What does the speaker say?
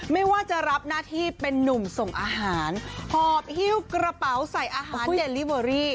ไม่ว่าจะรับหน้าที่เป็นนุ่มส่งอาหารหอบฮิ้วกระเป๋าใส่อาหารเจลิเวอรี่